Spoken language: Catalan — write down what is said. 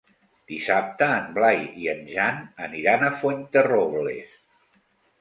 Dissabte en Blai i en Jan aniran a Fuenterrobles.